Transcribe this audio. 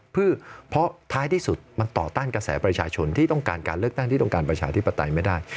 เพื่อเพราะท้ายที่สุดมันต่อต้านกระแสประชาชนที่ต้องการการเลือกตั้งที่ต้องการประชาธิปไตยไม่ได้